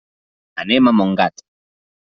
Anem a Montgat.